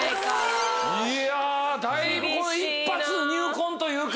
いやだいぶ一発入魂というか。